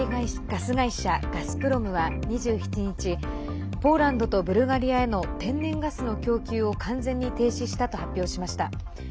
ガスプロムは２７日ポーランドとブルガリアへの天然ガスの供給を完全に停止したと発表しました。